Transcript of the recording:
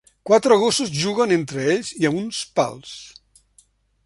Quatre gossos juguen entre ells i amb uns pals.